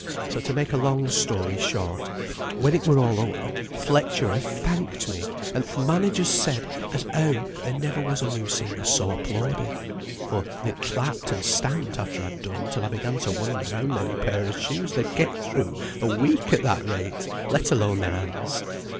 So to make a long story short, when it were all o'er th' lecturer thanked me, and th' managers said as how there never was a new singer so applauded (for they'd clapped and stamped after I'd done, till I began to wonder how many pair o' shoes they'd get through a week at that rate, let alone their hands).